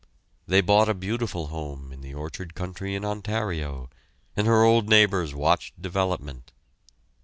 They bought a beautiful home in the orchard country in Ontario, and her old neighbors watched development.